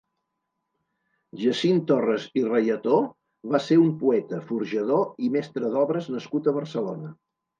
Jacint Torres i Reyató va ser un poeta, forjador i mestre d'obres nascut a Barcelona.